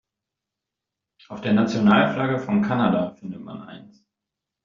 Auf der Nationalflagge von Kanada findet man eins.